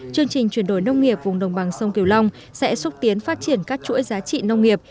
chương trình chuyển đổi nông nghiệp vùng đồng bằng sông kiều long sẽ xúc tiến phát triển các chuỗi giá trị nông nghiệp